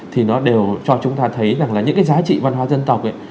thì nó đều cho chúng ta thấy rằng là những cái giá trị văn hóa dân tộc ấy